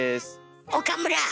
岡村！